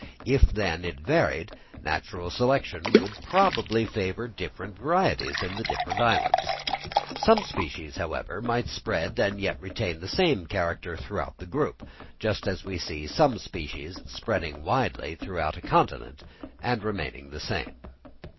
If, then, it varied, natural selection would probably favour different varieties in the different islands. Some species, however, might spread and yet retain the same character throughout the group, just as we see some species spreading widely throughout a continent and remaining the same.